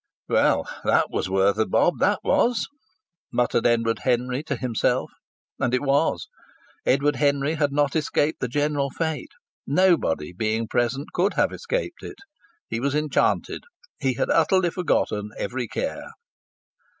"Well, that was worth a bob, that was!" muttered Edward Henry to himself. And it was. Edward Henry had not escaped the general fate. Nobody, being present, could have escaped it. He was enchanted. He had utterly forgotten every care.